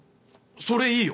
それいいよ！